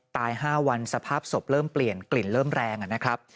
๕วันสภาพศพเริ่มเปลี่ยนกลิ่นเริ่มแรงนะครับ